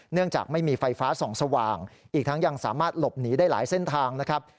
จากไม่มีไฟฟ้าส่องสว่างอีกทั้งยังสามารถหลบหนีได้หลายเส้นทางนะครับ